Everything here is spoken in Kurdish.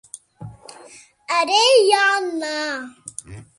Erê yan na